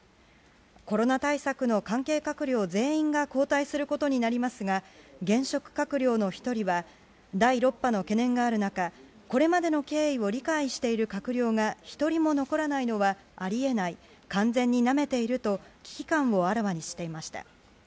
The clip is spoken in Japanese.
コロナ対策の関係閣僚全員が交代することになりますが現職閣僚の１人は第６波の懸念がある中これまでの経緯を理解している閣僚が１人も残らないのはあり得ない、完全になめていると危機感をあらわにしていました。